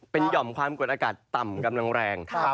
เป็นหย่อมความกดอากาศต่ำกำลังแรง